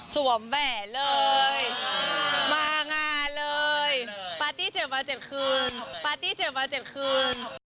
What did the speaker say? สวมแหมนเลยมางานเลยพารตี้๗วัน๗คืน